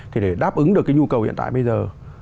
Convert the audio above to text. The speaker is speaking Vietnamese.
thì để đáp ứng được cái nhu cầu hiện tại bây giờ